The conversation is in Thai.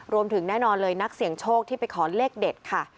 รวมถึงแน่นอนเลยนักเสี่ยงโชคที่ไปขอเลขเด็ดค่ะ